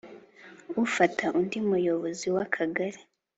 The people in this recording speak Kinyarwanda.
ufate undi muyobozi wa kagari